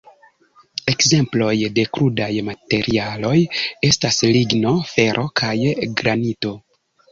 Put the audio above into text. Ekzemploj de krudaj materialoj estas ligno, fero kaj granito.